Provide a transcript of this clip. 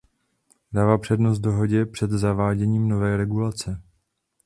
Dává přednost dohodě před zaváděním nové regulace.